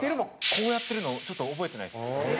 こうやってるのをちょっと覚えてないです。